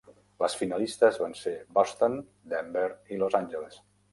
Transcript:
Les finalistes van ser Boston, Denver i Los Angeles.